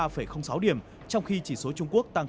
trong khi chỉ số trung quốc tăng bốn